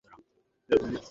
আমি কফি বানাবো।